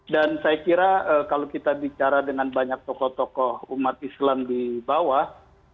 dan saya kira kalau kita bicara dengan banyak tokoh tokoh umat islam di bawah